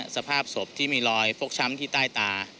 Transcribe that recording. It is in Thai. สภาพศพที่มีรอยฟกช้ำที่ใต้ตา